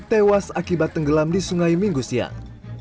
tewas akibat tenggelam di sungai minggu siang